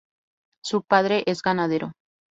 Su padre es ganadero.